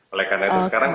oleh karena itu sekarang